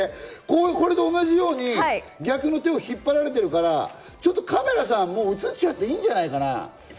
これと同じように逆に手を引っ張られてるからカメラさんもう映しちゃっていいんじゃないかな。